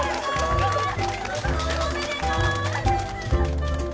・おめでとう！